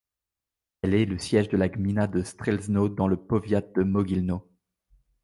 Elle est le siège de la gmina de Strzelno, dans le powiat de Mogilno.